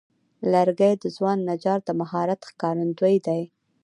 لرګی د ځوان نجار د مهارت ښکارندوی دی.